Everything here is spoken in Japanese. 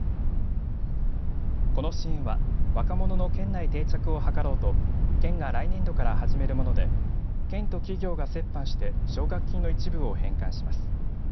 この支援は若者の県内定着を図ろうと県が来年度から始めるもので県と企業が折半して奨学金の一部を返還します。